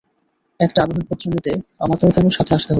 একটা আবেদন পত্র নিতে আমাকেও কেন সাথে আসতে হবে?